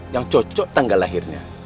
yang cocok tanggal lahirnya